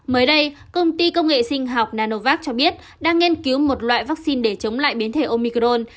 mới đây công ty công nghệ sinh học nanovac cho biết đang nghiên cứu một loại vaccine để chống lại biến thể omicron